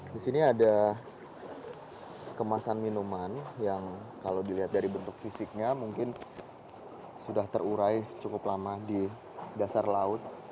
di sini ada kemasan minuman yang kalau dilihat dari bentuk fisiknya mungkin sudah terurai cukup lama di dasar laut